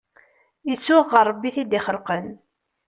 Isuɣ ɣer Rebbi i t-id-ixelqen.